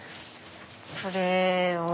それを。